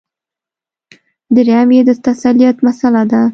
درېیم یې د تثلیث مسله ده.